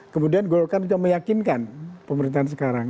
kemudian golkar juga meyakinkan pemerintahan sekarang